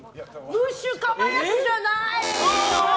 ムッシュかまやつじゃない！